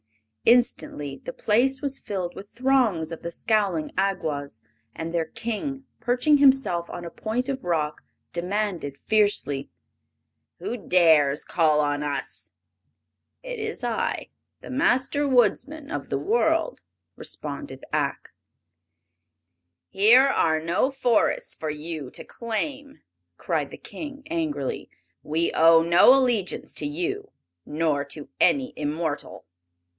Instantly the place was filled with throngs of the scowling Awgwas, and their King, perching himself on a point of rock, demanded fiercely: "Who dares call on us?" "It is I, the Master Woodsman of the World," responded Ak. "Here are no forests for you to claim," cried the King, angrily. "We owe no allegiance to you, nor to any immortal!"